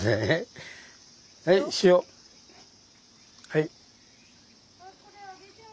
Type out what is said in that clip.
はい。